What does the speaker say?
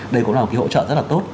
đây cũng là một cái hỗ trợ rất là tốt